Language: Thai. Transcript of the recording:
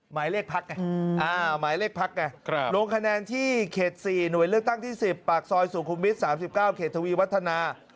หมายเลขพักไงหมายเลขพักไงลงคะแนนที่เขต๔หน่วยเลือกตั้งที่๑๐ปากซอยสุขุมวิท๓๙เขตทวีวัฒนา